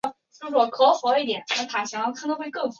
又以孤峰似披紫袍金衣得名紫金山。